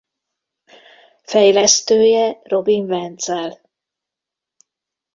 Fejlesztője Robin Vencel.